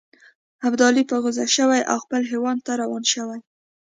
ابدالي په غوسه شوی او خپل هیواد ته روان شوی.